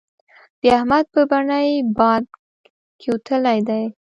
د احمد په بنۍ باد کېوتلی دی.